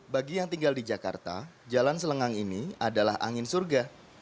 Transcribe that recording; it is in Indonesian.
bagi yang tinggal di jakarta jalan selengang ini adalah angin surga